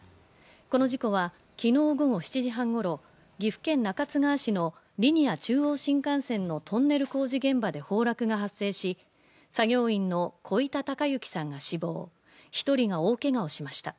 この事故は昨日午後７時半ごろ岐阜県中津川市のリニア中央新幹線のトンネル工事現場で崩落が発生し作業員の小板孝幸さんが死亡、１人が大けがをしました。